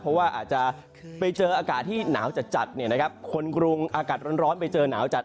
เพราะว่าอาจจะไปเจออากาศที่หนาวจัดคนกรุงอากาศร้อนไปเจอหนาวจัด